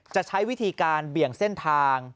จะใช้วิธีการเบี่ยงเส้นทาง